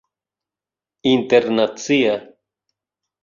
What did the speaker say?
internacia